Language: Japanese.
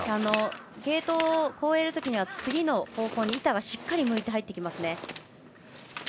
ゲートを越えるときには次の方向にしっかり板が向いて入ってきます。